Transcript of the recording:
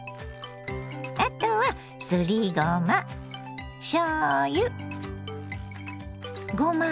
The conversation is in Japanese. あとはすりごましょうゆごま